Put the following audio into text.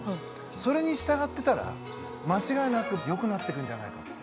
それに従ってたら間違いなくよくなってくんじゃないかって。